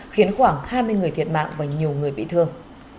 khiến khoảng hai mươi người thiệt mạng và nhiều người bị thương